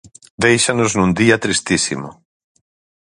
Déixanos nun día tristísimo.